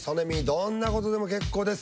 どんなことでも結構です。